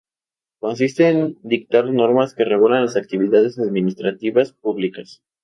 Consiste en dictar normas que regulan las actividades administrativas públicas.